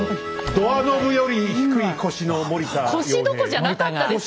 ドアノブより低い腰の森田洋平。